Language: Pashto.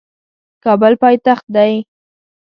کابل پایتخت دی